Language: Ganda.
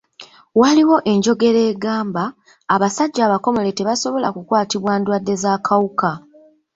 Waaliwo enjogera egamba; abasajja abakomole tebasobola kukwatibwa ndwadde z'akawuka.